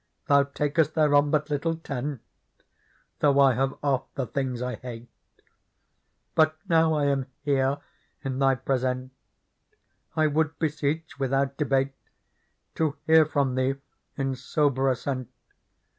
Thou takest thereon but little tent,i Though I have oft the things I hate ; But now I am here in thy presente, I would beseech without debate To hear from thee, in sober assent.